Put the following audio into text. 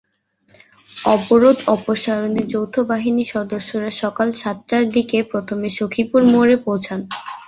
অবরোধ অপসারণে যৌথ বাহিনীর সদস্যরা সকাল সাতটার দিকে প্রথমে সখীপুর মোড়ে পৌঁছান।